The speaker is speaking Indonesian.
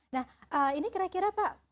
nah ini kira kira pak